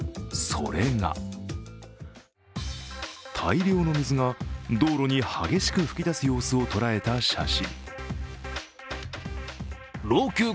それが大量の水が道路に激しく噴き出す様子を捉えた写真。